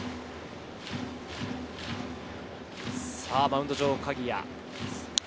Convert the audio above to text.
マウンド上鍵谷。